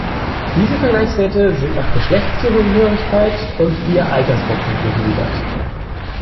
Diese Vergleichswerte sind nach Geschlechtszugehörigkeit und vier Altersgruppen gegliedert.